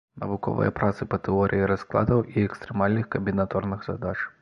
Навуковыя працы па тэорыі раскладаў і экстрэмальных камбінаторных задач.